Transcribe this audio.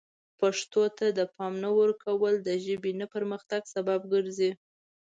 پښتو ته د پام نه ورکول د ژبې نه پرمختګ سبب ګرځي.